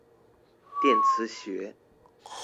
電磁學